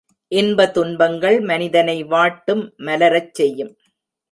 இன்ப துன்பங்கள் மனிதனை வாட்டும் மலரச் செய்யும்.